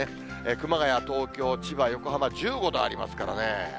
熊谷、東京、千葉、横浜、１５度ありますからね。